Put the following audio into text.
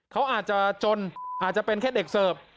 เขาอาจจะจนอาจจะเป็นแค่เด็กเสิร์ฟ